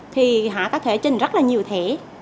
thì họ có thể trình rất là nhiều thẻ